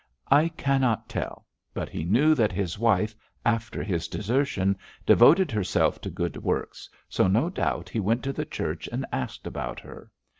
'I cannot tell; but he knew that his wife, after his desertion, devoted herself to good works, so no doubt he went to the church and asked about her.